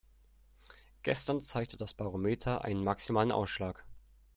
Gestern zeigte das Barometer einen maximalen Ausschlag.